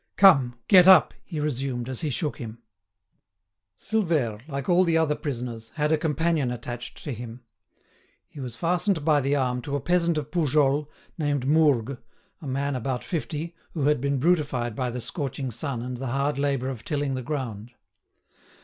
"Come, get up!" he resumed, as he shook him. Silvère, like all the other prisoners, had a companion attached to him. He was fastened by the arm to a peasant of Poujols named Mourgue, a man about fifty, who had been brutified by the scorching sun and the hard labour of tilling the ground.